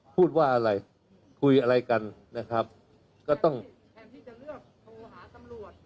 พูดว่าอะไรคุยอะไรกันนะครับก็ต้องแทนที่จะเลือกโทรหาตำรวจ